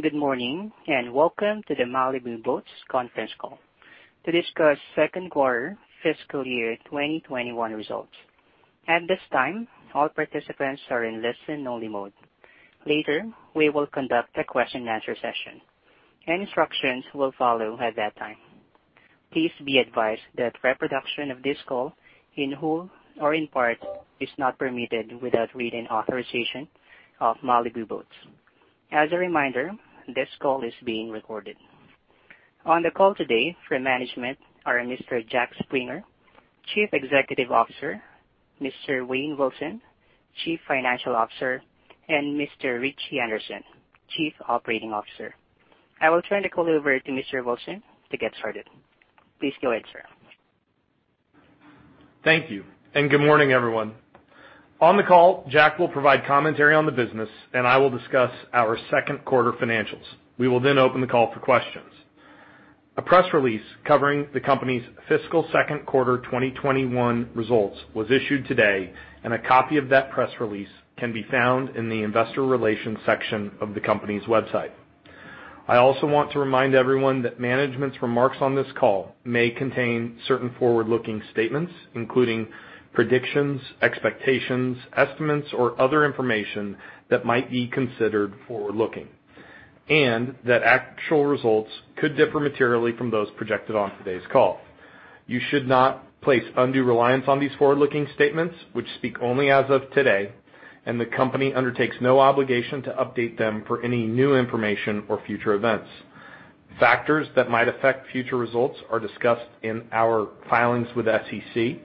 Good morning, and welcome to the Malibu Boats conference call to discuss second quarter fiscal year 2021 results. At this time, all participants are in listen only mode. Later, we will conduct a question and answer session. Instructions will follow at that time. Please be advised that reproduction of this call, in whole or in part, is not permitted without written authorization of Malibu Boats. As a reminder, this call is being recorded. On the call today from management are Mr. Jack Springer, Chief Executive Officer, Mr. Wayne Wilson, Chief Financial Officer, and Mr. Ritchie Anderson, Chief Operating Officer. I will turn the call over to Mr. Wilson to get started. Please go ahead, sir. Thank you, and good morning, everyone. On the call, Jack will provide commentary on the business, and I will discuss our second quarter financials. We will open the call for questions. A press release covering the company's fiscal second quarter 2021 results was issued today. A copy of that press release can be found in the investor relations section of the company's website. I also want to remind everyone that management's remarks on this call may contain certain forward-looking statements, including predictions, expectations, estimates, or other information that might be considered forward-looking, and that actual results could differ materially from those projected on today's call. You should not place undue reliance on these forward-looking statements, which speak only as of today, and the company undertakes no obligation to update them for any new information or future events. Factors that might affect future results are discussed in our filings with SEC, and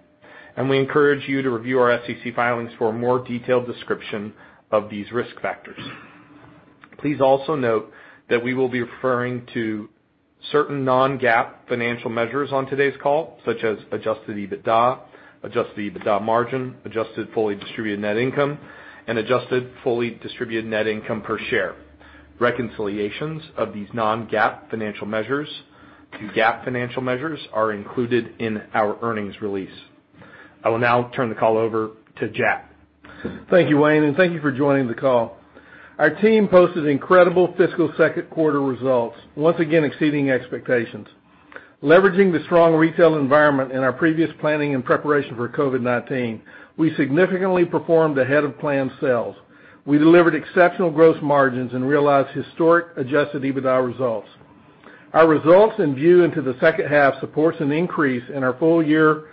we encourage you to review our SEC filings for a more detailed description of these risk factors. Please also note that we will be referring to certain non-GAAP financial measures on today's call, such as adjusted EBITDA, adjusted EBITDA margin, adjusted fully distributed net income, and adjusted fully distributed net income per share. Reconciliations of these non-GAAP financial measures to GAAP financial measures are included in our earnings release. I will now turn the call over to Jack. Thank you, Wayne, and thank you for joining the call. Our team posted incredible fiscal second quarter results, once again exceeding expectations. Leveraging the strong retail environment in our previous planning and preparation for COVID-19, we significantly performed ahead of planned sales. We delivered exceptional gross margins and realized historic adjusted EBITDA results. Our results in view into the second half supports an increase in our full year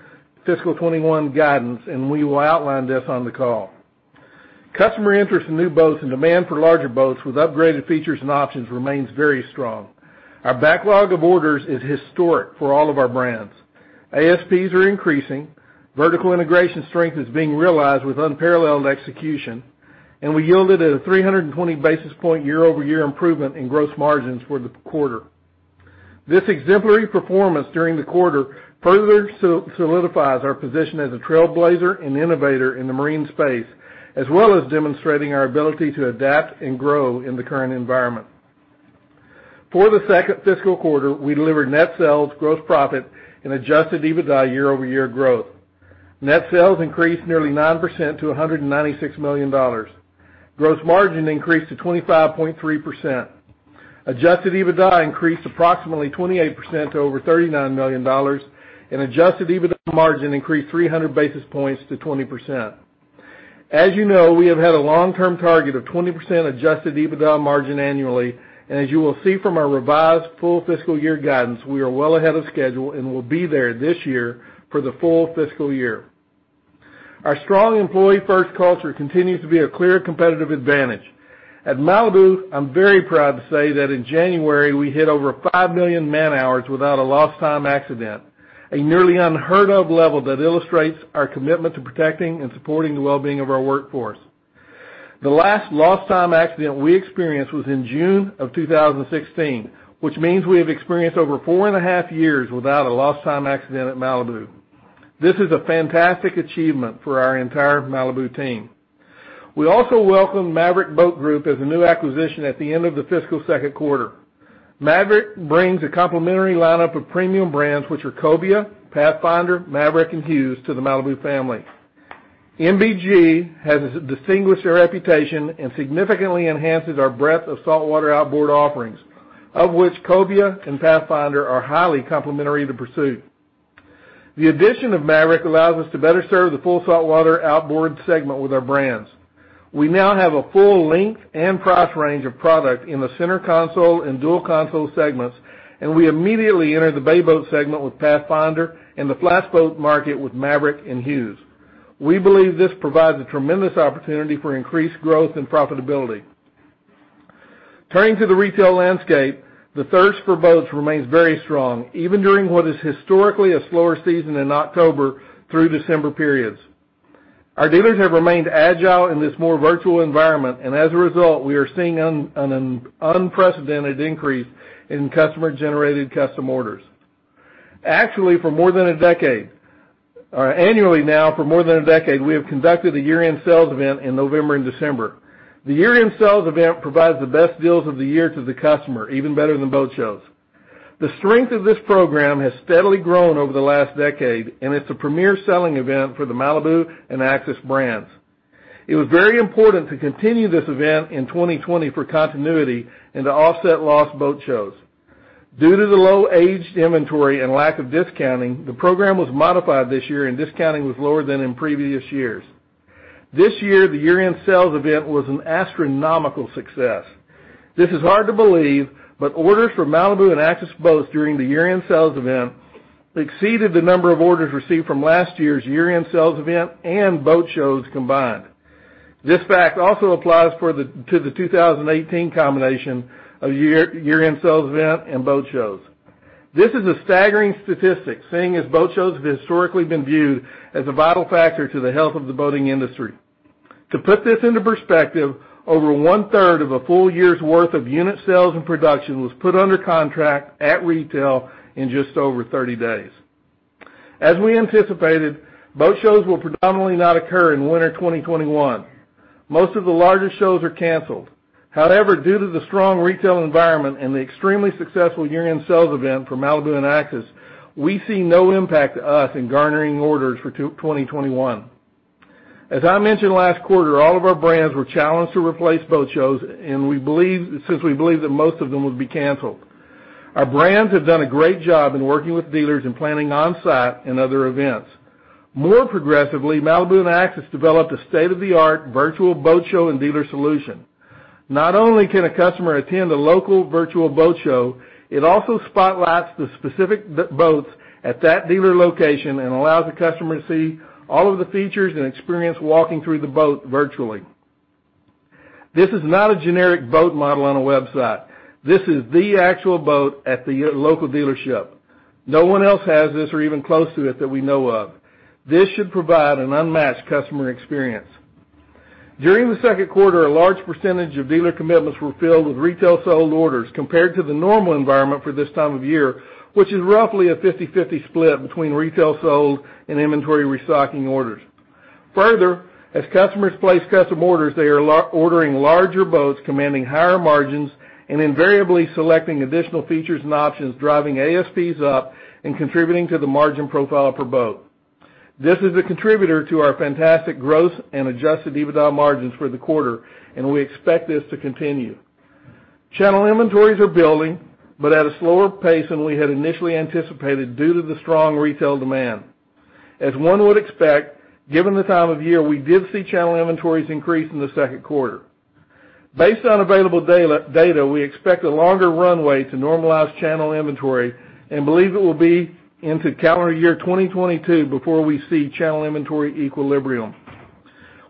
fiscal 2021 guidance, and we will outline this on the call. Customer interest in new boats and demand for larger boats with upgraded features and options remains very strong. Our backlog of orders is historic for all of our brands. ASPs are increasing, vertical integration strength is being realized with unparalleled execution, and we yielded a 320 basis point year-over-year improvement in gross margins for the quarter. This exemplary performance during the quarter further solidifies our position as a trailblazer and innovator in the marine space, as well as demonstrating our ability to adapt and grow in the current environment. For the second fiscal quarter, we delivered net sales, gross profit, and adjusted EBITDA year-over-year growth. Net sales increased nearly 9% to $196 million. Gross margin increased to 25.3%. Adjusted EBITDA increased approximately 28% to over $39 million, and adjusted EBITDA margin increased 300 basis points to 20%. As you know, we have had a long-term target of 20% adjusted EBITDA margin annually. As you will see from our revised full fiscal year guidance, we are well ahead of schedule and will be there this year for the full fiscal year. Our strong employee-first culture continues to be a clear competitive advantage. At Malibu, I'm very proud to say that in January, we hit over 5 million man hours without a lost time accident, a nearly unheard of level that illustrates our commitment to protecting and supporting the well-being of our workforce. The last lost time accident we experienced was in June of 2016, which means we have experienced over four and a half years without a lost time accident at Malibu. This is a fantastic achievement for our entire Malibu team. We also welcome Maverick Boat Group as a new acquisition at the end of the fiscal second quarter. Maverick brings a complementary lineup of premium brands, which are Cobia, Pathfinder, Maverick, and Hewes to the Malibu family. MBG has distinguished their reputation and significantly enhances our breadth of saltwater outboard offerings, of which Cobia and Pathfinder are highly complementary to Pursuit. The addition of Maverick allows us to better serve the full saltwater outboard segment with our brands. We now have a full length and price range of product in the center console and dual console segments, and we immediately enter the bay boat segment with Pathfinder and the flats boat market with Maverick and Hewes. We believe this provides a tremendous opportunity for increased growth and profitability. Turning to the retail landscape, the thirst for boats remains very strong, even during what is historically a slower season in October through December periods. Our dealers have remained agile in this more virtual environment, and as a result, we are seeing an unprecedented increase in customer-generated custom orders. Annually now, for more than a decade, we have conducted a Year End Sales Event in November and December. The Year End Sales Event provides the best deals of the year to the customer, even better than boat shows. The strength of this program has steadily grown over the last decade, and it's a premier selling event for the Malibu and Axis brands. It was very important to continue this event in 2020 for continuity and to offset lost boat shows. Due to the low aged inventory and lack of discounting, the program was modified this year, and discounting was lower than in previous years. This year, the Year End Sales Event was an astronomical success. This is hard to believe, but orders for Malibu and Axis boats during the Year End Sales Event exceeded the number of orders received from last year's Year End Sales Event and boat shows combined. This fact also applies to the 2018 combination of Year End Sales Event and boat shows. This is a staggering statistic, seeing as boat shows have historically been viewed as a vital factor to the health of the boating industry. To put this into perspective, over one-third of a full year's worth of unit sales and production was put under contract at retail in just over 30 days. As we anticipated, boat shows will predominantly not occur in winter 2021. Most of the largest shows are canceled. However, due to the strong retail environment and the extremely successful year-end sales event for Malibu and Axis, we see no impact to us in garnering orders for 2021. As I mentioned last quarter, all of our brands were challenged to replace boat shows since we believe that most of them would be canceled. Our brands have done a great job in working with dealers and planning on-site and other events. More progressively, Malibu and Axis developed a state-of-the-art virtual boat show and dealer solution. Not only can a customer attend a local virtual boat show, it also spotlights the specific boats at that dealer location and allows the customer to see all of the features and experience walking through the boat virtually. This is not a generic boat model on a website. This is the actual boat at the local dealership. No one else has this or even close to it that we know of. This should provide an unmatched customer experience. During the second quarter, a large percentage of dealer commitments were filled with retail sold orders compared to the normal environment for this time of year, which is roughly a 50/50 split between retail sold and inventory restocking orders. Further, as customers place custom orders, they are ordering larger boats commanding higher margins and invariably selecting additional features and options driving ASPs up and contributing to the margin profile per boat. This is a contributor to our fantastic gross and adjusted EBITDA margins for the quarter, and we expect this to continue. Channel inventories are building, but at a slower pace than we had initially anticipated due to the strong retail demand. As one would expect, given the time of year, we did see channel inventories increase in the second quarter. Based on available data, we expect a longer runway to normalize channel inventory and believe it will be into calendar year 2022 before we see channel inventory equilibrium.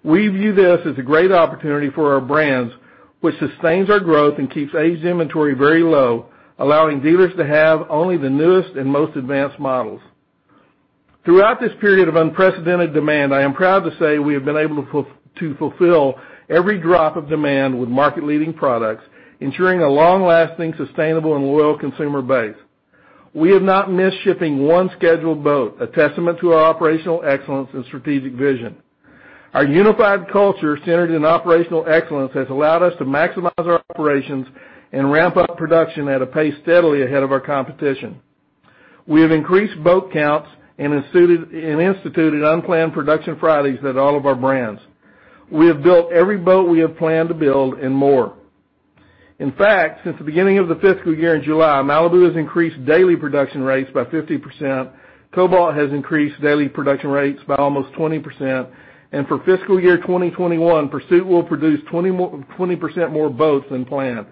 We view this as a great opportunity for our brands, which sustains our growth and keeps aged inventory very low, allowing dealers to have only the newest and most advanced models. Throughout this period of unprecedented demand, I am proud to say we have been able to fulfill every drop of demand with market-leading products, ensuring a long-lasting, sustainable, and loyal consumer base. We have not missed shipping one scheduled boat, a testament to our operational excellence and strategic vision. Our unified culture centered in operational excellence has allowed us to maximize our operations and ramp up production at a pace steadily ahead of our competition. We have increased boat counts and instituted unplanned production Fridays at all of our brands. We have built every boat we have planned to build and more. Since the beginning of the fiscal year in July, Malibu has increased daily production rates by 50%, Cobalt has increased daily production rates by almost 20%, and for fiscal year 2021, Pursuit will produce 20% more boats than planned.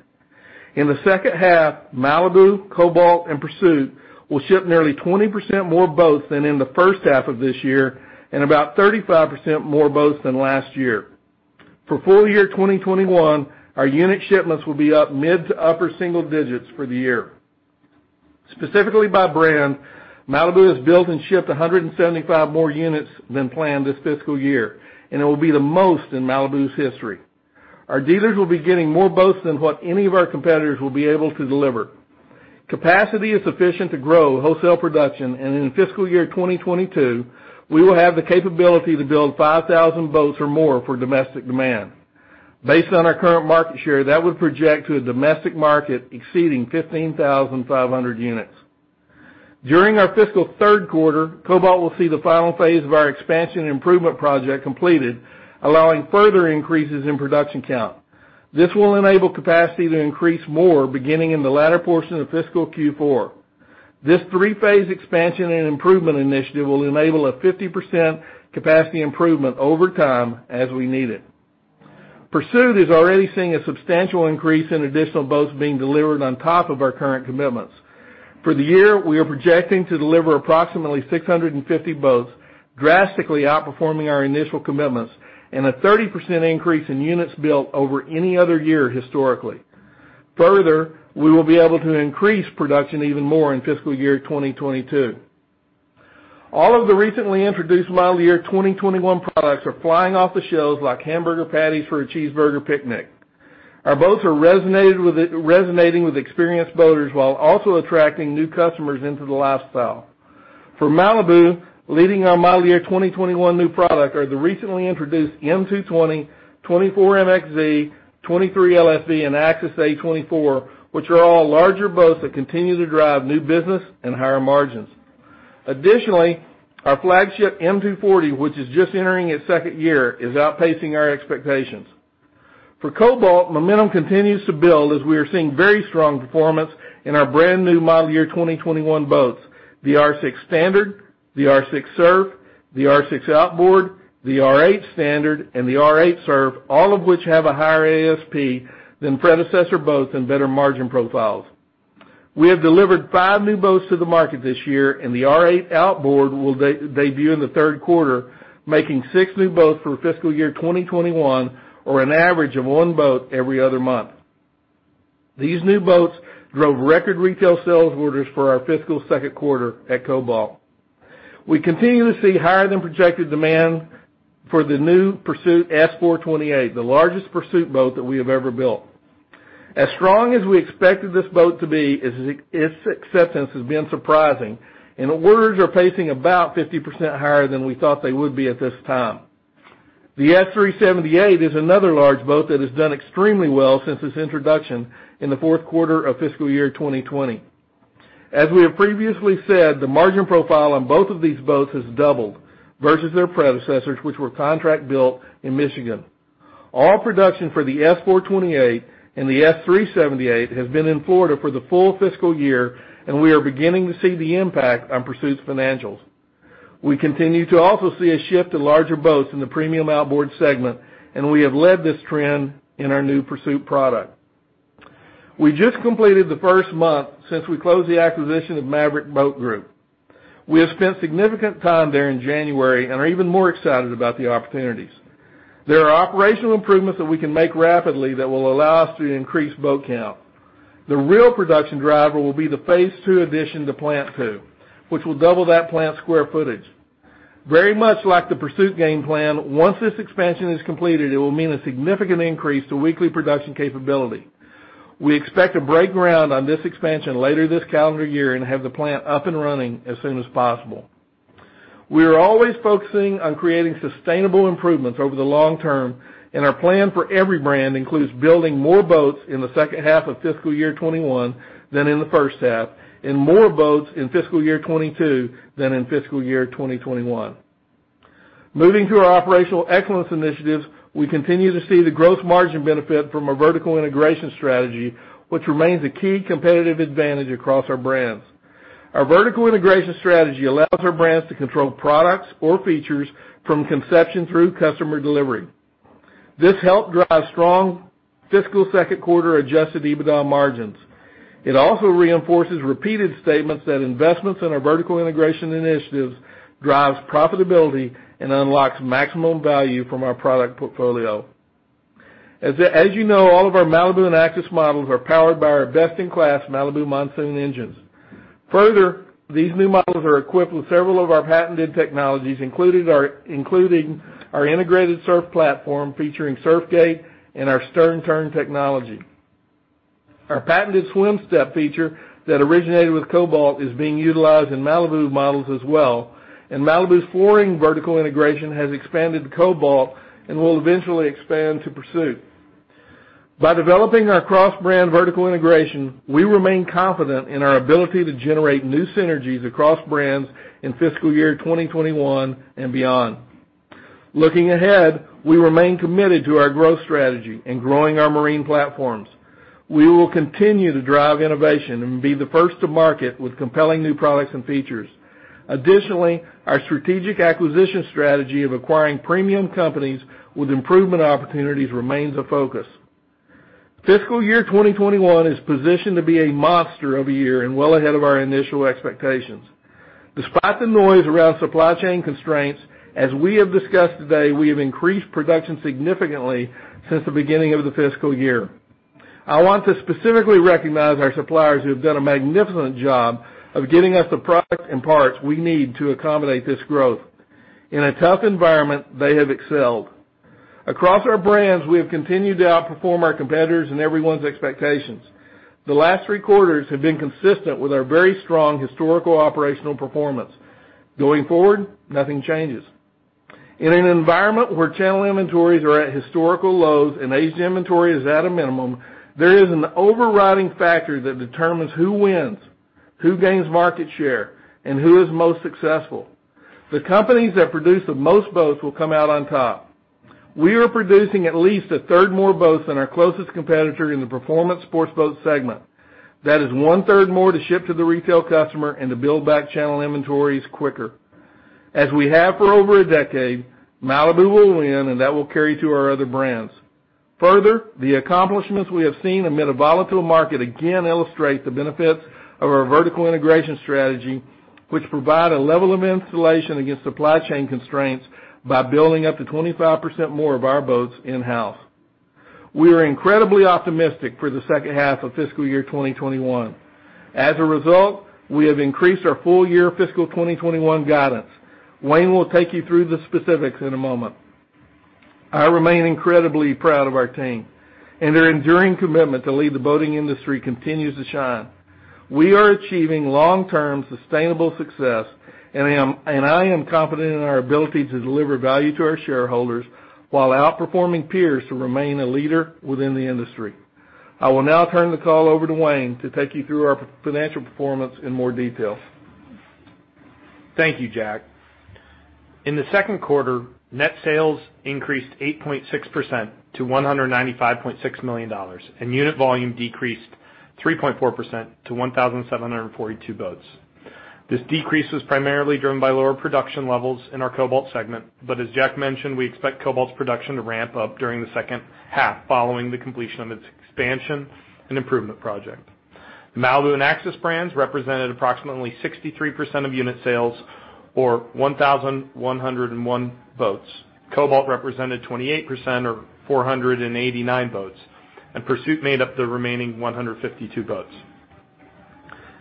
In the second half, Malibu, Cobalt, and Pursuit will ship nearly 20% more boats than in the first half of this year and about 35% more boats than last year. For full year 2021, our unit shipments will be up mid to upper single-digits for the year. Specifically by brand, Malibu has built and shipped 175 more units than planned this fiscal year, and it will be the most in Malibu's history. Our dealers will be getting more boats than what any of our competitors will be able to deliver. Capacity is sufficient to grow wholesale production, and in fiscal year 2022, we will have the capability to build 5,000 boats or more for domestic demand. Based on our current market share, that would project to a domestic market exceeding 15,500 units. During our fiscal third quarter, Cobalt will see the final phase of our expansion improvement project completed, allowing further increases in production count. This will enable capacity to increase more beginning in the latter portion of fiscal Q4. This three phase expansion and improvement initiative will enable a 50% capacity improvement over time as we need it. Pursuit is already seeing a substantial increase in additional boats being delivered on top of our current commitments. For the year, we are projecting to deliver approximately 650 boats, drastically outperforming our initial commitments, and a 30% increase in units built over any other year historically. Further, we will be able to increase production even more in fiscal year 2022. All of the recently introduced model year 2021 products are flying off the shelves like hamburger patties for a cheeseburger picnic. Our boats are resonating with experienced boaters while also attracting new customers into the lifestyle. For Malibu, leading our model year 2021 new product are the recently introduced M220, 24 MXZ, 23 LSV, and Axis A24, which are all larger boats that continue to drive new business and higher margins. Additionally, our flagship M240, which is just entering its second year, is outpacing our expectations. For Cobalt, momentum continues to build as we are seeing very strong performance in our brand-new model year 2021 boats, the R6 Sterndrive, the R6 Surf, the R6 Outboard, the R8 Sterndrive, and the R8 Surf, all of which have a higher ASP than predecessor boats and better margin profiles. We have delivered five new boats to the market this year, and the R8 Outboard will debut in the third quarter, making six new boats for fiscal year 2021, or an average of one boat every other month. These new boats drove record retail sales orders for our fiscal second quarter at Cobalt. We continue to see higher-than-projected demand for the new Pursuit S 428, the largest Pursuit boat that we have ever built. As strong as we expected this boat to be, its acceptance has been surprising, and orders are pacing about 50% higher than we thought they would be at this time. The S 378 is another large boat that has done extremely well since its introduction in the fourth quarter of fiscal year 2020. As we have previously said, the margin profile on both of these boats has doubled versus their predecessors, which were contract-built in Michigan. All production for the S 428 and the S 378 has been in Florida for the full fiscal year, and we are beginning to see the impact on Pursuit's financials. We continue to also see a shift to larger boats in the premium outboard segment, and we have led this trend in our new Pursuit product. We just completed the first month since we closed the acquisition of Maverick Boat Group. We have spent significant time there in January and are even more excited about the opportunities. There are operational improvements that we can make rapidly that will allow us to increase boat count. The real production driver will be the phase two addition to Plant 2, which will double that plant's square footage. Very much like the Pursuit game plan, once this expansion is completed, it will mean a significant increase to weekly production capability. We expect to break ground on this expansion later this calendar year and have the plant up and running as soon as possible. We are always focusing on creating sustainable improvements over the long term, and our plan for every brand includes building more boats in the second half of fiscal year 2021 than in the first half and more boats in fiscal year 2022 than in fiscal year 2021. Moving to our operational excellence initiatives, we continue to see the gross margin benefit from our vertical integration strategy, which remains a key competitive advantage across our brands. Our vertical integration strategy allows our brands to control products or features from conception through customer delivery. This helped drive strong fiscal second quarter adjusted EBITDA margins. It also reinforces repeated statements that investments in our vertical integration initiatives drives profitability and unlocks maximum value from our product portfolio. As you know, all of our Malibu and Axis models are powered by our best-in-class Malibu Monsoon engines. Further, these new models are equipped with several of our patented technologies, including our integrated surf platform featuring Surf Gate and our Stern Turn technology. Our patented swim step feature that originated with Cobalt is being utilized in Malibu models as well, and Malibu's flooring vertical integration has expanded to Cobalt and will eventually expand to Pursuit. By developing our cross-brand vertical integration, we remain confident in our ability to generate new synergies across brands in fiscal year 2021 and beyond. Looking ahead, we remain committed to our growth strategy and growing our marine platforms. We will continue to drive innovation and be the first to market with compelling new products and features. Additionally, our strategic acquisition strategy of acquiring premium companies with improvement opportunities remains a focus. Fiscal year 2021 is positioned to be a monster of a year and well ahead of our initial expectations. Despite the noise around supply chain constraints, as we have discussed today, we have increased production significantly since the beginning of the fiscal year. I want to specifically recognize our suppliers who have done a magnificent job of getting us the product and parts we need to accommodate this growth. In a tough environment, they have excelled. Across our brands, we have continued to outperform our competitors and everyone's expectations. The last three quarters have been consistent with our very strong historical operational performance. Going forward, nothing changes. In an environment where channel inventories are at historical lows and aged inventory is at a minimum, there is an overriding factor that determines who wins, who gains market share, and who is most successful. The companies that produce the most boats will come out on top. We are producing at least a third more boats than our closest competitor in the performance sports boat segment. That is one-third more to ship to the retail customer and to build back channel inventories quicker. As we have for over a decade, Malibu will win, and that will carry to our other brands. Further, the accomplishments we have seen amid a volatile market again illustrate the benefits of our vertical integration strategy, which provide a level of insulation against supply chain constraints by building up to 25% more of our boats in-house. We are incredibly optimistic for the second half of fiscal year 2021. As a result, we have increased our full-year fiscal 2021 guidance. Wayne will take you through the specifics in a moment. I remain incredibly proud of our team, and their enduring commitment to lead the boating industry continues to shine. We are achieving long-term sustainable success, and I am confident in our ability to deliver value to our shareholders while outperforming peers to remain a leader within the industry. I will now turn the call over to Wayne to take you through our financial performance in more detail. Thank you, Jack. In the second quarter, net sales increased 8.6% to $195.6 million, unit volume decreased 3.4% to 1,742 boats. This decrease was primarily driven by lower production levels in our Cobalt segment, but as Jack mentioned, we expect Cobalt's production to ramp up during the second half following the completion of its expansion and improvement project. The Malibu and Axis brands represented approximately 63% of unit sales, or 1,101 boats. Cobalt represented 28%, or 489 boats, and Pursuit made up the remaining 152 boats.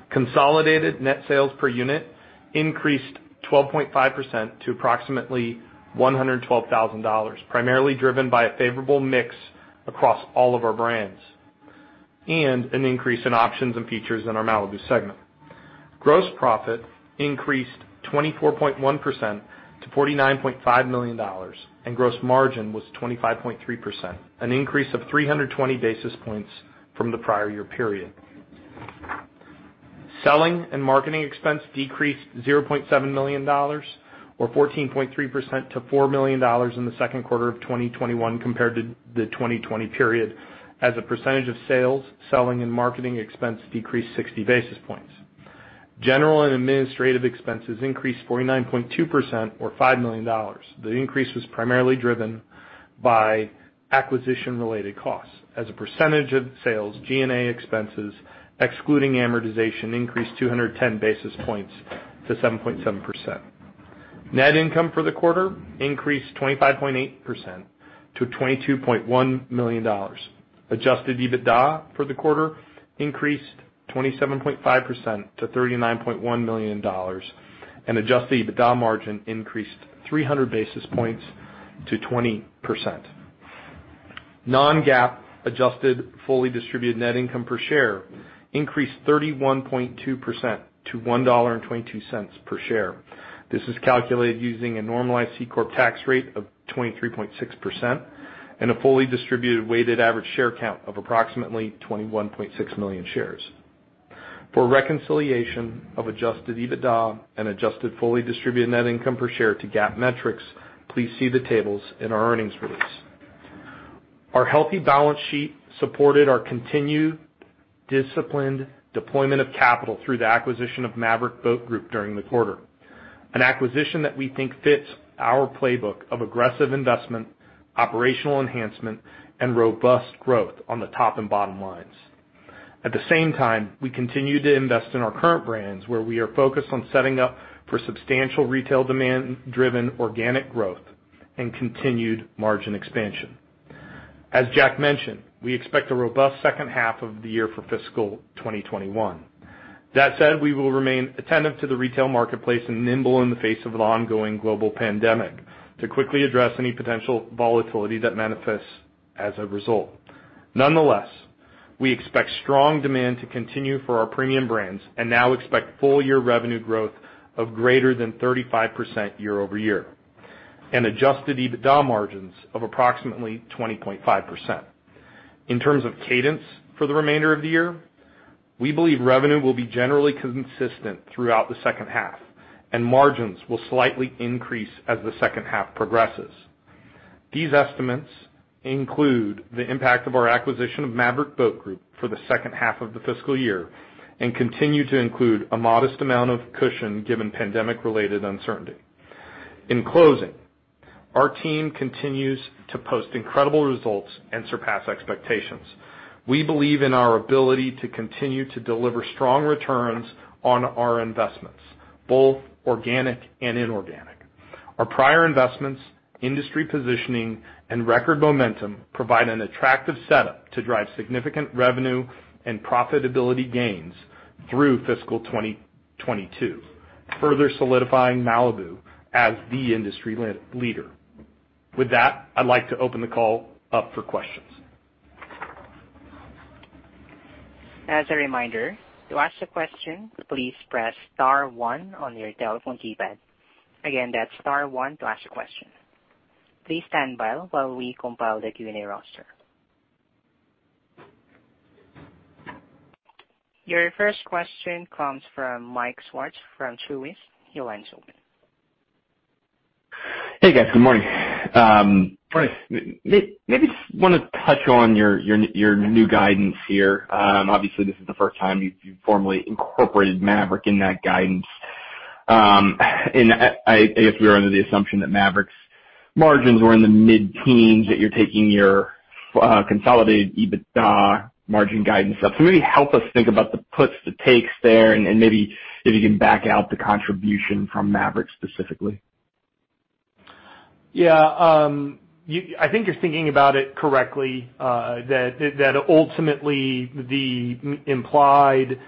Consolidated net sales per unit increased 12.5% to approximately $112,000, primarily driven by a favorable mix across all of our brands and an increase in options and features in our Malibu segment. Gross profit increased 24.1% to $49.5 million, gross margin was 25.3%, an increase of 320 basis points from the prior year period. Selling and marketing expense decreased $0.7 million, or 14.3%, to $4 million in the second quarter of 2021 compared to the 2020 period. As a percentage of sales, selling and marketing expense decreased 60 basis points. General and administrative expenses increased 49.2%, or $5 million. The increase was primarily driven by acquisition-related costs. As a percentage of sales, G&A expenses, excluding amortization, increased 210 basis points to 7.7%. Net income for the quarter increased 25.8% to $22.1 million. Adjusted EBITDA for the quarter increased 27.5% to $39.1 million, and adjusted EBITDA margin increased 300 basis points to 20%. Non-GAAP adjusted fully distributed net income per share increased 31.2% to $1.22 per share. This is calculated using a normalized C corp tax rate of 23.6% and a fully distributed weighted average share count of approximately 21.6 million shares. For a reconciliation of adjusted EBITDA and adjusted fully distributed net income per share to GAAP metrics, please see the tables in our earnings release. Our healthy balance sheet supported our continued disciplined deployment of capital through the acquisition of Maverick Boat Group during the quarter, an acquisition that we think fits our playbook of aggressive investment, operational enhancement, and robust growth on the top and bottom lines. At the same time, we continue to invest in our current brands, where we are focused on setting up for substantial retail demand-driven organic growth and continued margin expansion. As Jack mentioned, we expect a robust second half of the year for fiscal 2021. That said, we will remain attentive to the retail marketplace and nimble in the face of the ongoing global pandemic to quickly address any potential volatility that manifests as a result. Nonetheless, we expect strong demand to continue for our premium brands and now expect full-year revenue growth of greater than 35% year-over-year, and adjusted EBITDA margins of approximately 20.5%. In terms of cadence for the remainder of the year, we believe revenue will be generally consistent throughout the second half, and margins will slightly increase as the second half progresses. These estimates include the impact of our acquisition of Maverick Boat Group for the second half of the fiscal year and continue to include a modest amount of cushion given pandemic-related uncertainty. In closing, our team continues to post incredible results and surpass expectations. We believe in our ability to continue to deliver strong returns on our investments, both organic and inorganic. Our prior investments, industry positioning, and record momentum provide an attractive setup to drive significant revenue and profitability gains through fiscal 2022, further solidifying Malibu as the industry leader. With that, I'd like to open the call up for questions. As a reminder to ask a question please press star one on your telephone keypad, again that's star one to ask a question. Please stand by while we compile the Q&A roster. Your first question comes from Mike Swartz from Truist. Your line is open. Hey, guys. Good morning. Morning. Maybe just want to touch on your new guidance here. Obviously, this is the first time you've formally incorporated Maverick in that guidance. I guess we were under the assumption that Maverick's margins were in the mid-teens, that you're taking your consolidated EBITDA margin guidance up. Maybe help us think about the puts, the takes there, and maybe if you can back out the contribution from Maverick specifically. Yeah. I think you're thinking about it correctly, that ultimately, the implied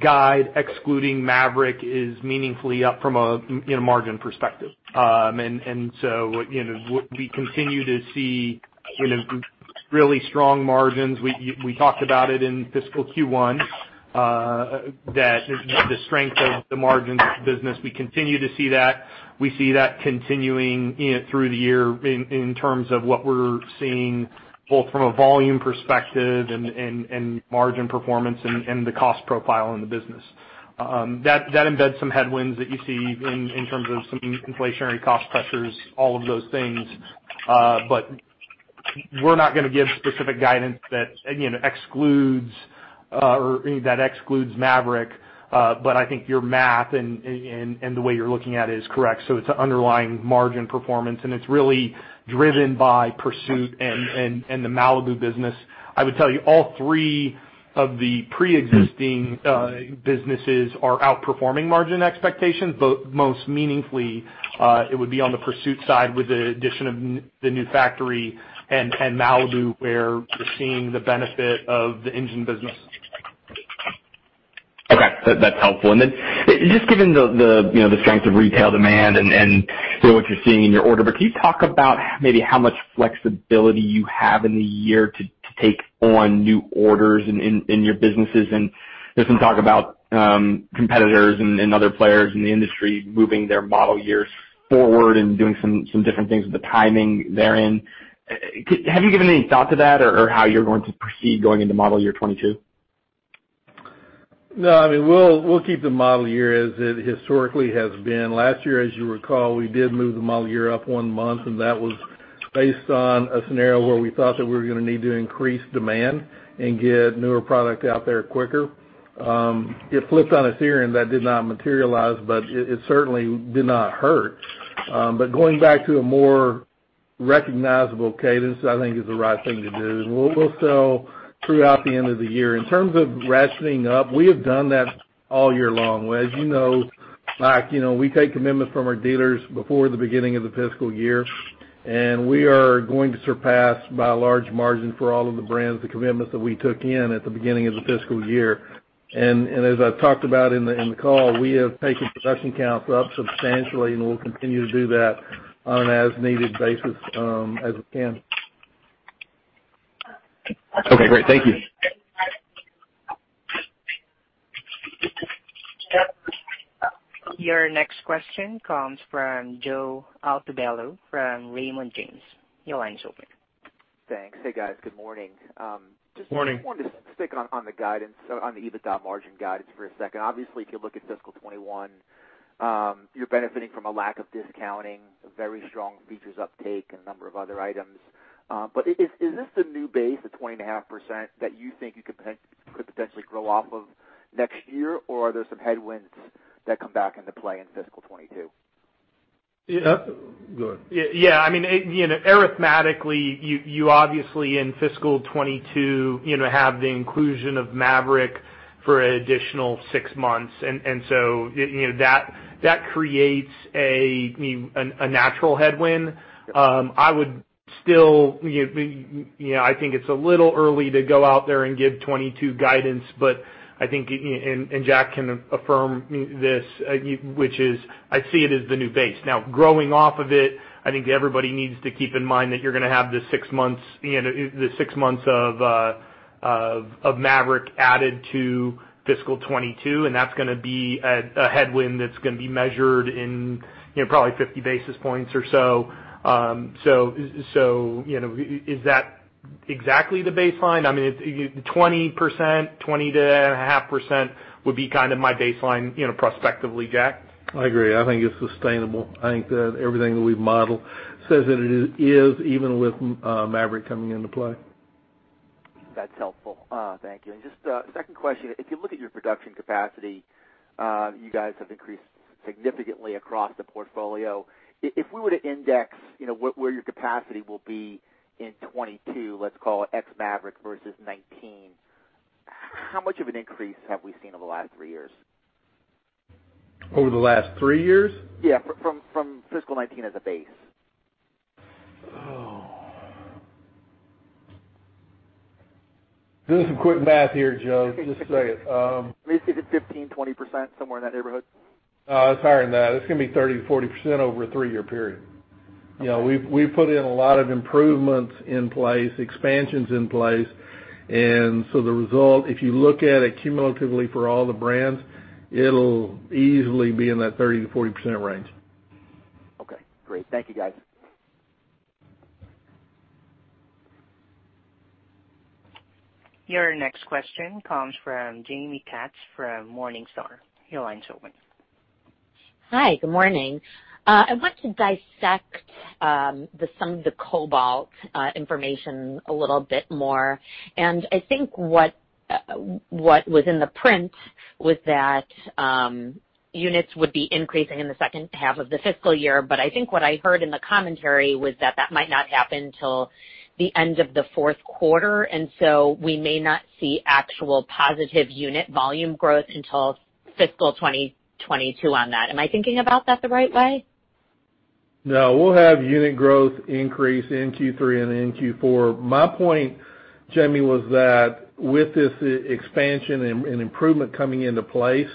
guide excluding Maverick is meaningfully up from a margin perspective. We continue to see really strong margins. We talked about it in fiscal Q1, that the strength of the margins business, we continue to see that. We see that continuing through the year in terms of what we're seeing both from a volume perspective and margin performance and the cost profile in the business. That embeds some headwinds that you see in terms of some inflationary cost pressures, all of those things. We're not going to give specific guidance that excludes Maverick. I think your math and the way you're looking at it is correct. It's an underlying margin performance, and it's really driven by Pursuit and the Malibu business. I would tell you all three of the preexisting businesses are outperforming margin expectations, but most meaningfully, it would be on the Pursuit side with the addition of the new factory and Malibu, where we're seeing the benefit of the engine business. Okay. That's helpful. Just given the strength of retail demand and what you're seeing in your order book, can you talk about maybe how much flexibility you have in the year to take on new orders in your businesses? There's some talk about competitors and other players in the industry moving their model years forward and doing some different things with the timing therein. Have you given any thought to that or how you're going to proceed going into model year 2022? No, we'll keep the model year as it historically has been. Last year, as you recall, we did move the model year up one month, and that was based on a scenario where we thought that we were going to need to increase demand and get newer product out there quicker. It flipped on its ear, and that did not materialize, but it certainly did not hurt. Going back to a more recognizable cadence, I think is the right thing to do, and we'll sell throughout the end of the year. In terms of ratcheting up, we have done that all year long. As you know, Mike, we take commitments from our dealers before the beginning of the fiscal year, and we are going to surpass by a large margin for all of the brands, the commitments that we took in at the beginning of the fiscal year. As I've talked about in the call, we have taken production counts up substantially, and we'll continue to do that on an as-needed basis as we can. Okay, great. Thank you. Your next question comes from Joe Altobello from Raymond James. Your line is open. Thanks. Hey, guys. Good morning. Morning. Just wanted to stick on the EBITDA margin guidance for a second. Obviously, if you look at fiscal 2021, you're benefiting from a lack of discounting, a very strong features uptake and a number of other items. Is this the new base of 20.5% that you think you could potentially grow off of next year? Are there some headwinds that come back into play in fiscal 2022? Go ahead. Yeah. Arithmetically, you obviously in fiscal 2022 have the inclusion of Maverick for an additional six months. That creates a natural headwind. I think it's a little early to go out there and give 2022 guidance, and Jack can affirm this, which is I see it as the new base. Now, growing off of it, I think everybody needs to keep in mind that you're going to have the six months of Maverick added to fiscal 2022, and that's going to be a headwind that's going to be measured in probably 50 basis points or so. Is that exactly the baseline? 20%, 20.5% would be kind of my baseline prospectively, Jack. I agree. I think it's sustainable. I think that everything that we've modeled says that it is, even with Maverick coming into play. That's helpful. Thank you. Just a second question. If you look at your production capacity, you guys have increased significantly across the portfolio. If we were to index where your capacity will be in 2022, let's call it ex Maverick versus 2019, how much of an increase have we seen over the last three years? Over the last three years? Yeah, from fiscal 2019 as a base. Oh. Doing some quick math here, Joe. Just a second. Let me see if it's 15%, 20%, somewhere in that neighborhood. No, it's higher than that. It's going to be 30%-40% over a three-year period. We've put in a lot of improvements in place, expansions in place, and so the result, if you look at it cumulatively for all the brands, it'll easily be in that 30%-40% range. Okay, great. Thank you, guys. Your next question comes from Jaime Katz from Morningstar. Your line is open. Hi. Good morning. I want to dissect some of the Cobalt information a little bit more. I think what was in the print was that units would be increasing in the second half of the fiscal year. I think what I heard in the commentary was that that might not happen till the end of the fourth quarter, we may not see actual positive unit volume growth until fiscal 2022 on that. Am I thinking about that the right way? No, we'll have unit growth increase in Q3 and in Q4. My point, Jaime, was that with this expansion and improvement coming into place,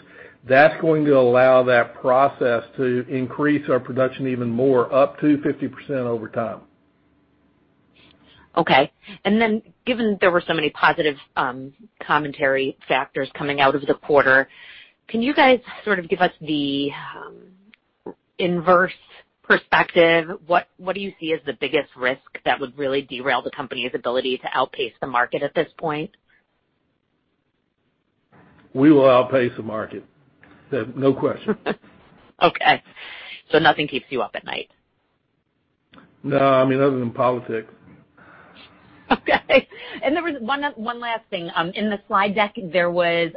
that's going to allow that process to increase our production even more, up to 50% over time. Okay. Given there were so many positive commentary factors coming out of the quarter, can you guys sort of give us the inverse perspective? What do you see as the biggest risk that would really derail the company's ability to outpace the market at this point? We will outpace the market. No question. Okay. Nothing keeps you up at night? No. Other than politics. Okay. There was one last thing. In the slide deck, there was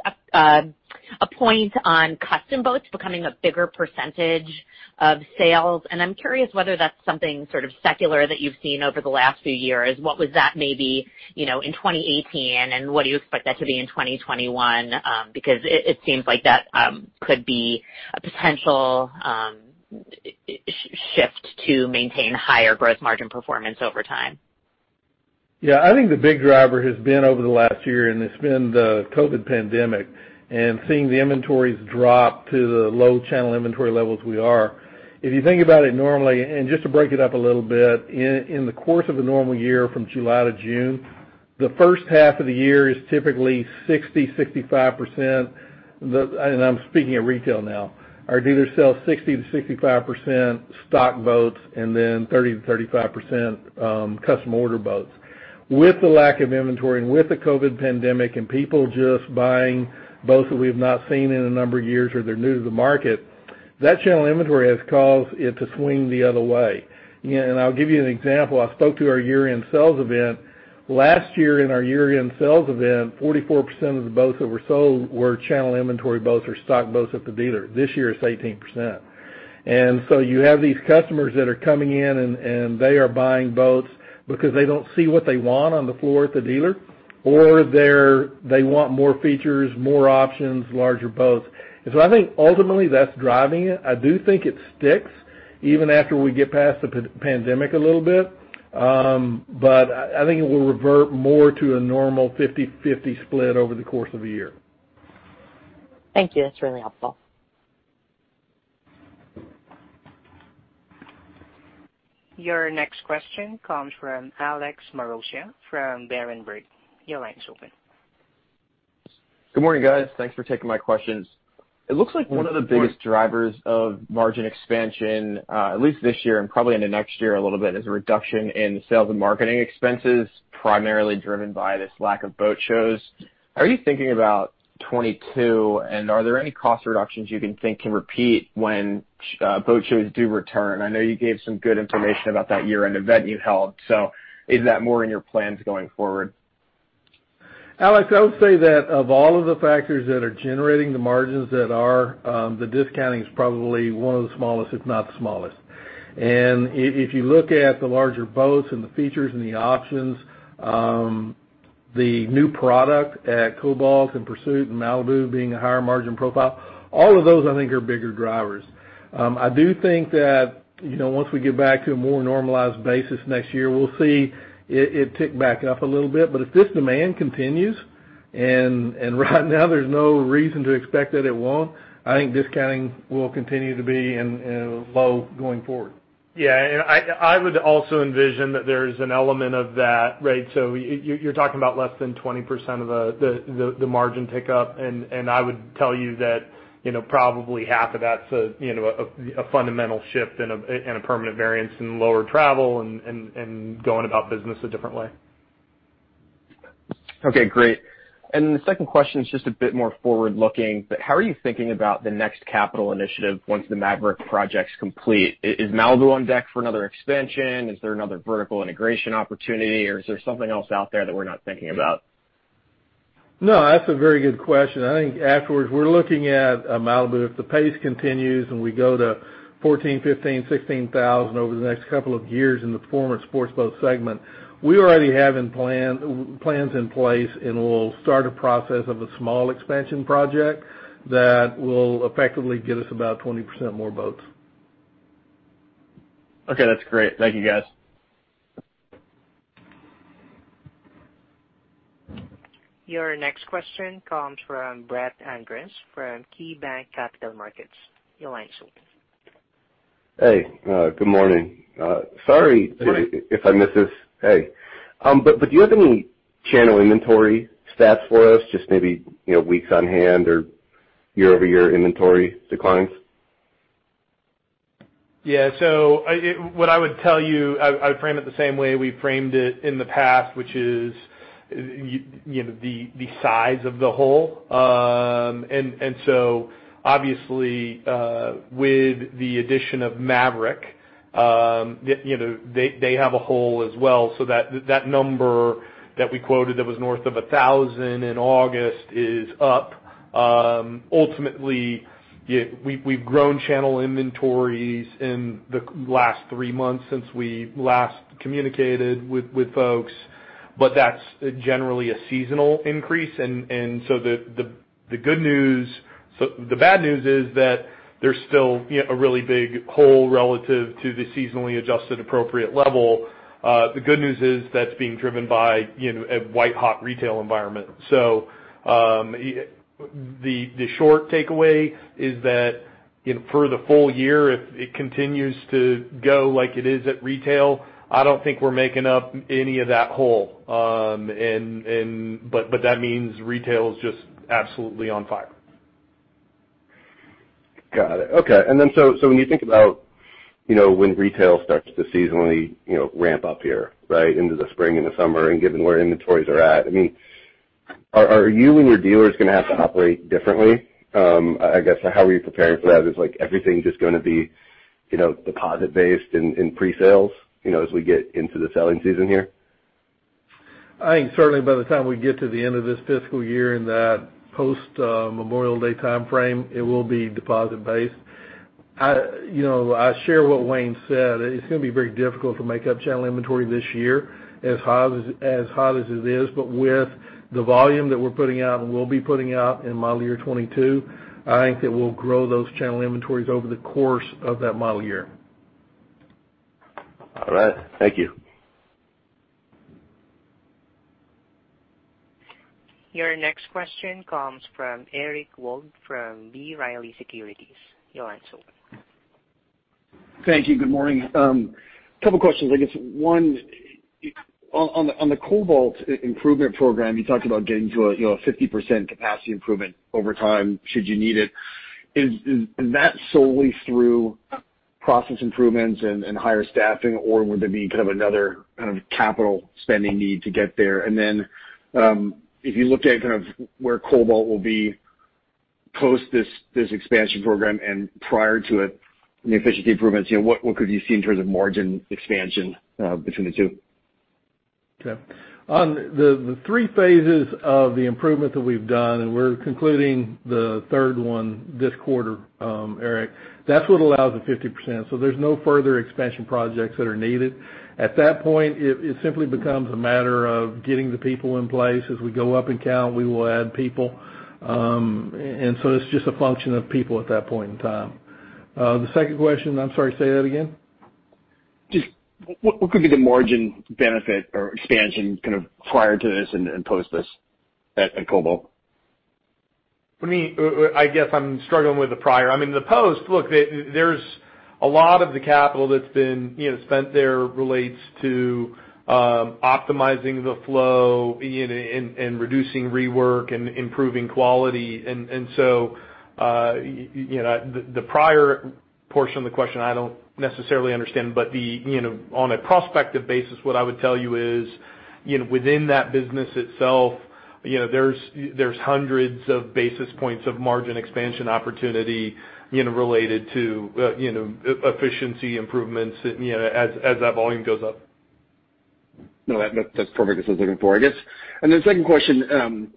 a point on custom boats becoming a bigger percentage of sales. I'm curious whether that's something sort of secular that you've seen over the last few years. What was that maybe in 2018? What do you expect that to be in 2021? It seems like that could be a potential shift to maintain higher growth margin performance over time. Yeah. I think the big driver has been over the last year, and it's been the COVID-19 pandemic and seeing the inventories drop to the low channel inventory levels we are. If you think about it normally, and just to break it up a little bit, in the course of a normal year from July to June, the first half of the year is typically 60%-65%, and I'm speaking of retail now, our dealers sell 60%-65% stock boats and then 30%-35% custom order boats. With the lack of inventory and with the COVID-19 pandemic and people just buying boats that we've not seen in a number of years or they're new to the market, that channel inventory has caused it to swing the other way. I'll give you an example. I spoke to our Year End Sales Event. Last year in our Year End Sales Event, 44% of the boats that were sold were channel inventory boats or stock boats at the dealer. This year, it's 18%. You have these customers that are coming in, and they are buying boats because they don't see what they want on the floor at the dealer, or they want more features, more options, larger boats. I think ultimately, that's driving it. I do think it sticks even after we get past the pandemic a little bit. I think it will revert more to a normal 50/50 split over the course of a year. Thank you. That's really helpful. Your next question comes from Alex Maroccia from Berenberg. Your line's open. Good morning, guys. Thanks for taking my questions. Good morning. It looks like one of the biggest drivers of margin expansion, at least this year and probably into next year a little bit, is a reduction in sales and marketing expenses, primarily driven by this lack of boat shows. How are you thinking about 2022, and are there any cost reductions you can think can repeat when boat shows do return? I know you gave some good information about that year-end event you held. Is that more in your plans going forward? Alex, I would say that of all of the factors that are generating the margins that are, the discounting is probably one of the smallest, if not the smallest. If you look at the larger boats and the features and the options, the new product at Cobalt and Pursuit and Malibu being a higher margin profile, all of those, I think, are bigger drivers. I do think that once we get back to a more normalized basis next year, we'll see it tick back up a little bit. If this demand continues, and right now there's no reason to expect that it won't, I think discounting will continue to be low going forward. Yeah. I would also envision that there's an element of that, right? You're talking about less than 20% of the margin tick up, and I would tell you that probably half of that's a fundamental shift and a permanent variance in lower travel and going about business a differently. Okay, great. The second question is just a bit more forward-looking, but how are you thinking about the next capital initiative once the Maverick Project's complete? Is Malibu on deck for another expansion? Is there another vertical integration opportunity, or is there something else out there that we're not thinking about? That's a very good question. I think afterwards, we're looking at Malibu. If the pace continues and we go to 14,000, 15,000, 16,000 over the next couple of years in the performance sports boat segment, we already have plans in place and we'll start a process of a small expansion project that will effectively get us about 20% more boats. Okay, that's great. Thank you, guys. Your next question comes from Brett Andress from KeyBanc Capital Markets. Your line's open. Hey, good morning. Morning. If I missed this. Hey. Do you have any channel inventory stats for us, just maybe weeks on hand or year-over-year inventory declines? Yeah. What I would tell you, I would frame it the same way we framed it in the past, which is the size of the hole. Obviously, with the addition of Maverick, they have a hole as well, so that number that we quoted that was north of 1,000 in August is up. Ultimately, we've grown channel inventories in the last three months since we last communicated with folks. That's generally a seasonal increase, the bad news is that there's still a really big hole relative to the seasonally adjusted appropriate level. The good news is that's being driven by a white-hot retail environment. The short takeaway is that for the full year, if it continues to go like it is at retail, I don't think we're making up any of that hole. That means retail is just absolutely on fire. Got it. Okay. When you think about when retail starts to seasonally ramp up here into the spring and the summer, and given where inventories are at, are you and your dealers going to have to operate differently? I guess, how are you preparing for that? Is everything just going to be deposit-based in pre-sales as we get into the selling season here? I think certainly by the time we get to the end of this fiscal year and that post Memorial Day timeframe, it will be deposit based. I share what Wayne said. It's going to be very difficult to make up channel inventory this year, as hard as it is. With the volume that we're putting out and will be putting out in model year 2022, I think that we'll grow those channel inventories over the course of that model year. All right. Thank you. Your next question comes from Eric Wold from B. Riley Securities. Your line is open. Thank you. Good morning. Couple questions. I guess one, on the Cobalt improvement program, you talked about getting to a 50% capacity improvement over time should you need it. Is that solely through process improvements and higher staffing, or would there be kind of another kind of capital spending need to get there? Then, if you looked at kind of where Cobalt will be post this expansion program and prior to it and the efficiency improvements, what could you see in terms of margin expansion between the two? Okay. On the three phases of the improvement that we've done, and we're concluding the third one this quarter, Eric, that's what allows the 50%. There's no further expansion projects that are needed. At that point, it simply becomes a matter of getting the people in place. As we go up in count, we will add people. It's just a function of people at that point in time. The second question, I'm sorry, say that again? Just what could be the margin benefit or expansion kind of prior to this and post this at Cobalt? For me, I guess I'm struggling with the prior. I mean, the post, look, there's a lot of the capital that's been spent there relates to optimizing the flow and reducing rework and improving quality. The prior portion of the question, I don't necessarily understand. On a prospective basis, what I would tell you is within that business itself, there's hundreds of basis points of margin expansion opportunity related to efficiency improvements as that volume goes up. No, that's perfect. That's what I was looking for, I guess. Second question,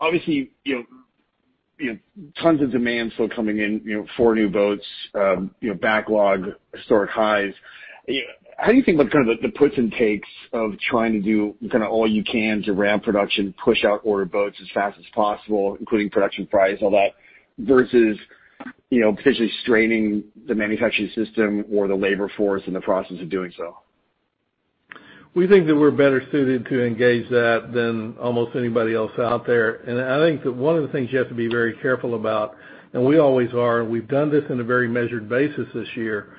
obviously, tons of demand still coming in for new boats, backlog, historic highs. How do you think about kind of the puts and takes of trying to do kind of all you can to ramp production, push out order boats as fast as possible, including production price, all that, versus potentially straining the manufacturing system or the labor force in the process of doing so? We think that we're better suited to engage that than almost anybody else out there. I think that one of the things you have to be very careful about, and we always are, and we've done this in a very measured basis this year,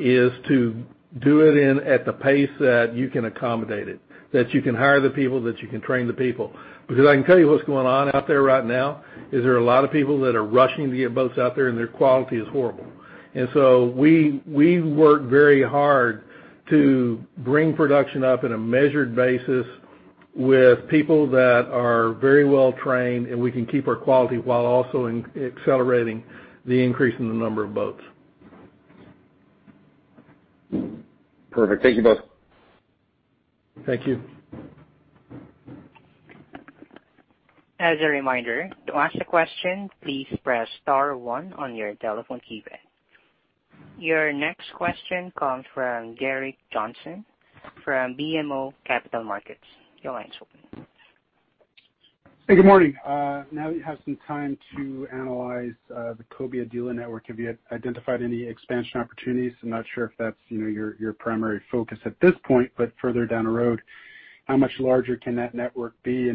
is to do it at the pace that you can accommodate it, that you can hire the people, that you can train the people. I can tell you what's going on out there right now, is there are a lot of people that are rushing to get boats out there, and their quality is horrible. We work very hard to bring production up in a measured basis with people that are very well trained, and we can keep our quality while also accelerating the increase in the number of boats. Perfect. Thank you both. Thank you. As a reminder, to ask a question, please press star one on your telephone keypad. Your next question comes from Gerrick Johnson from BMO Capital Markets. Your line is open. Hey, good morning. Now that you have some time to analyze the Cobia dealer network, have you identified any expansion opportunities? I'm not sure if that's your primary focus at this point, but further down the road, how much larger can that network be?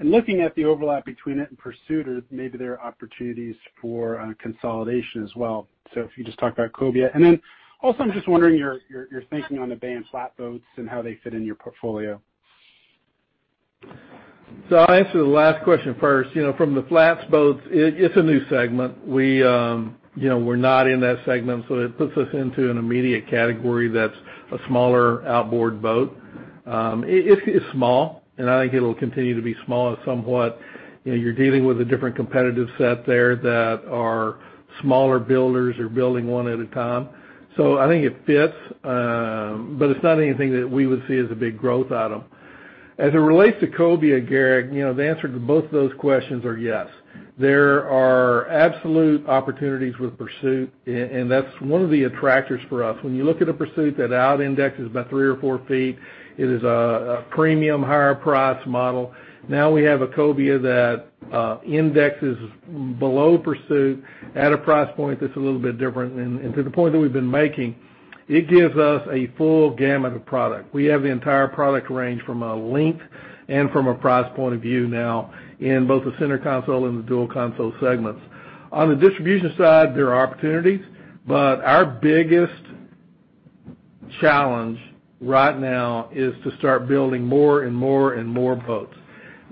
Looking at the overlap between it and Pursuit, maybe there are opportunities for consolidation as well. If you could just talk about Cobia. Then also, I'm just wondering your thinking on the bay and flat boats and how they fit into your portfolio. I'll answer the last question first. From the flats boats, it's a new segment. We're not in that segment, so it puts us into an immediate category that's a smaller outboard boat. It's small, and I think it'll continue to be small somewhat. You're dealing with a different competitive set there that are smaller builders or building one at a time. I think it fits, but it's not anything that we would see as a big growth item. As it relates to Cobia, Gerrick, the answer to both of those questions are yes. There are absolute opportunities with Pursuit, and that's one of the attractors for us. When you look at a Pursuit that out-indexes about three or four feet, it is a premium higher price model. Now we have a Cobia that indexes below Pursuit at a price point that's a little bit different. To the point that we've been making, it gives us a full gamut of product. We have the entire product range from a length and from a price point of view now in both the center console and the dual console segments. On the distribution side, there are opportunities, but our biggest challenge right now is to start building more and more and more boats.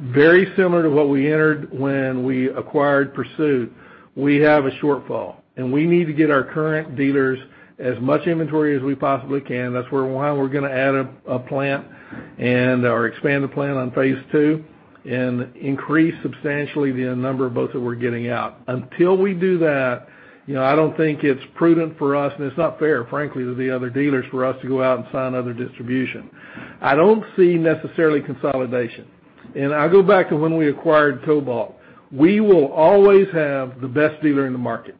Very similar to what we entered when we acquired Pursuit, we have a shortfall, and we need to get our current dealers as much inventory as we possibly can. That's why we're going to add a plant and or expand the plant on phase 2 and increase substantially the number of boats that we're getting out. Until we do that, I don't think it's prudent for us, and it's not fair, frankly, to the other dealers for us to go out and sign other distribution. I go back to when we acquired Cobalt. We will always have the best dealer in the market.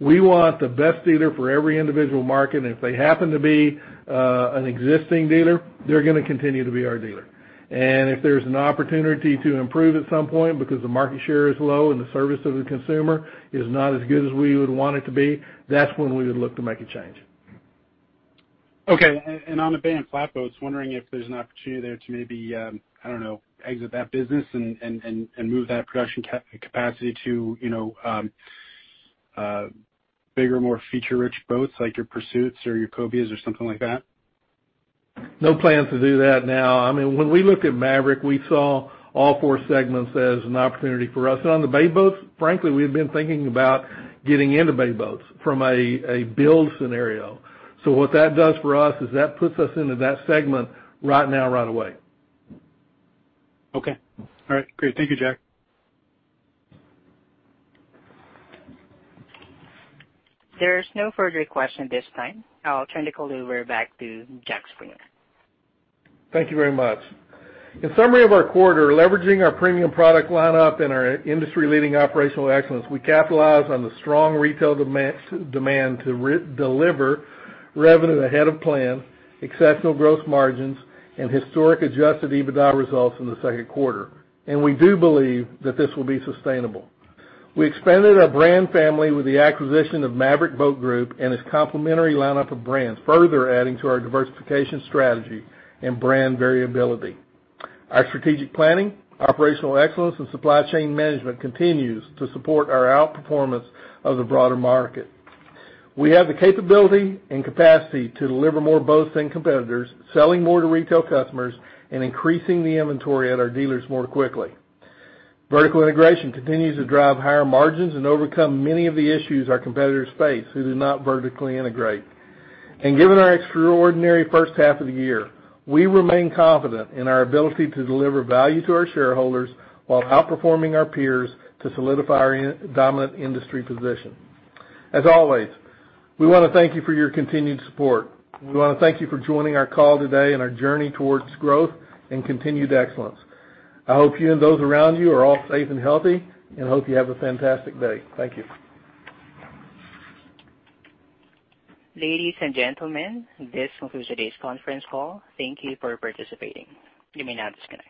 We want the best dealer for every individual market. If they happen to be an existing dealer, they're going to continue to be our dealer. If there's an opportunity to improve at some point because the market share is low and the service of the consumer is not as good as we would want it to be, that's when we would look to make a change. Okay, on the bay and flatboats, wondering if there's an opportunity there to maybe, I don't know, exit that business and move that production capacity to bigger, more feature-rich boats like your Pursuits or your Cobias or something like that? No plans to do that now. When we looked at Maverick, we saw all four segments as an opportunity for us. On the bay boats, frankly, we had been thinking about getting into bay boats from a build scenario. What that does for us is that puts us into that segment right now, right away. Okay. All right, great. Thank you, Jack. There's no further questions at this time. I'll turn the call over back to Jack Springer. Thank you very much. In summary of our quarter, leveraging our premium product lineup and our industry-leading operational excellence, we capitalized on the strong retail demand to deliver revenue ahead of plan, exceptional gross margins, and historic adjusted EBITDA results in the second quarter. We do believe that this will be sustainable. We expanded our brand family with the acquisition of Maverick Boat Group and its complementary lineup of brands, further adding to our diversification strategy and brand variability. Our strategic planning, operational excellence, and supply chain management continues to support our outperformance of the broader market. We have the capability and capacity to deliver more boats than competitors, selling more to retail customers, and increasing the inventory at our dealers more quickly. Vertical integration continues to drive higher margins and overcome many of the issues our competitors face who do not vertically integrate. Given our extraordinary first half of the year, we remain confident in our ability to deliver value to our shareholders while outperforming our peers to solidify our dominant industry position. As always, we want to thank you for your continued support. We want to thank you for joining our call today and our journey towards growth and continued excellence. I hope you and those around you are all safe and healthy, and hope you have a fantastic day. Thank you. Ladies and gentlemen, this concludes today's conference call. Thank you for participating. You may now disconnect.